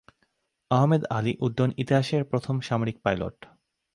আহমেদ আলি উড্ডয়ন ইতিহাসের প্রথম সামরিক পাইলট।